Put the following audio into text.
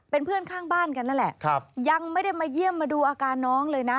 เป็นเพื่อนข้างบ้านกันนั่นแหละยังไม่ได้มาเยี่ยมมาดูอาการน้องเลยนะ